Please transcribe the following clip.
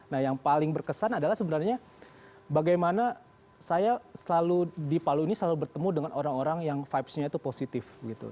nah yang paling berkesan adalah sebenarnya bagaimana saya selalu di palu ini selalu bertemu dengan orang orang yang vibesnya itu positif gitu